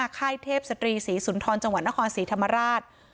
ค่ายเทพศตรีศรีสุนทรจังหวัดนครศรีธรรมราช